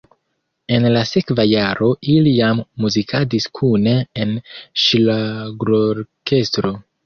En la sekva jaro ili jam muzikadis kune en ŝlagrorkestro.